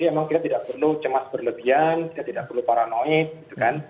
karena memang kita tidak perlu cemas berlebihan kita tidak perlu paranoid